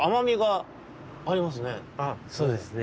そうですね。